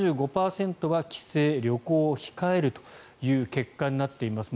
７５％は帰省、旅行を控えるという結果になっています。